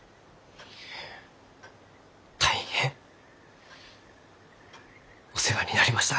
大変お世話になりました。